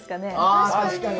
あ確かに。